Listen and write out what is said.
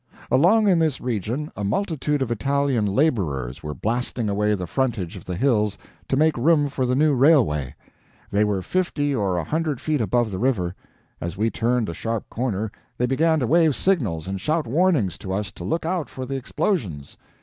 Along in this region a multitude of Italian laborers were blasting away the frontage of the hills to make room for the new railway. They were fifty or a hundred feet above the river. As we turned a sharp corner they began to wave signals and shout warnings to us to look out for the explosions.